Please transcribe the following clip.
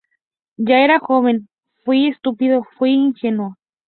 Yo era joven, fui estúpido, fui ingenuo.